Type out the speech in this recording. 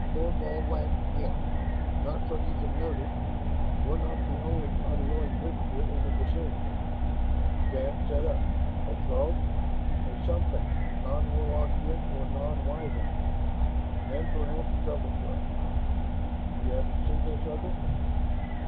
Thorvald laughed again. "Not so you can notice. We're not the only unwilling visitor in the vicinity." Shann sat up. "A Throg?" "A something. Non Warlockian, or non Wyvern. And perhaps trouble for us." "You haven't seen this other?"